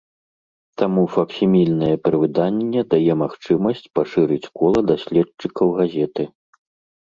Таму факсімільнае перавыданне дае магчымасць пашырыць кола даследчыкаў газеты.